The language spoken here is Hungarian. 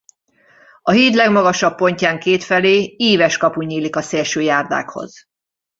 A híd legmagasabb pontján kétfelé íves kapu nyílik a szélső járdákhoz.